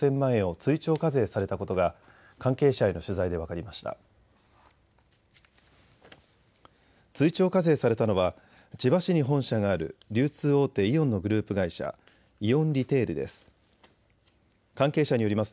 追徴課税されたのは千葉市に本社がある流通大手イオンのグループ会社イオンリテールです。